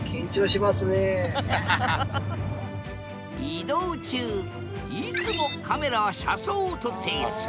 移動中いつもカメラは車窓を撮っているあっ